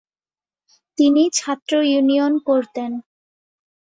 তিনি ছাত্র ইউনিয়ন করতেন।